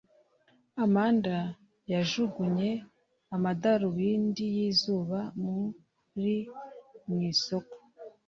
Amanda yajugunye amadarubindi yizuba muri / mu isoko